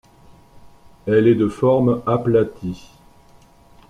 Elle est de forme aplatie.